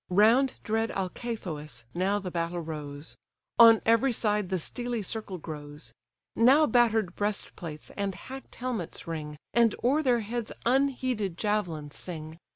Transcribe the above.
Round dread Alcathous now the battle rose; On every side the steely circle grows; Now batter'd breast plates and hack'd helmets ring, And o'er their heads unheeded javelins sing.